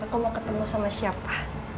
aku mau ketemu sama siapa